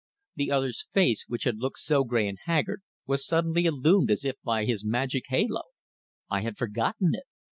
The other's face, which had looked so grey and haggard, was suddenly illumined as if by his magical halo. "I had forgotten it!